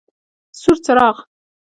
سور څراغ: